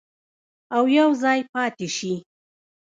او یوځای پاتې شي.